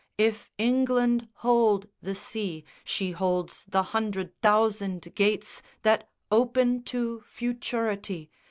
If England hold The sea, she holds the hundred thousand gates That open to futurity.